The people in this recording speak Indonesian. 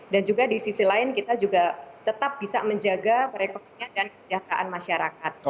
dan juga di sisi lain kita juga tetap bisa menjaga perekonomian dan kesejahteraan masyarakat